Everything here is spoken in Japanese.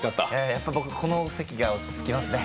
やっぱり僕、この席が落ち着きますね。